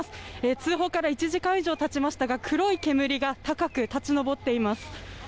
通報から１時間以上たちましたが黒い煙が高く立ち上っています。